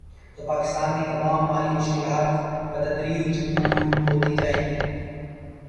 تو پاکستان کی تمام مالی مشکلات بتدریج دور ہوتی جائیں گی۔